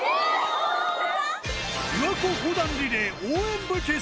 琵琶湖横断リレー応援部結成！